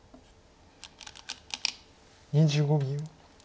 ２５秒。